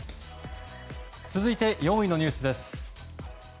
続いて４位のニュースです。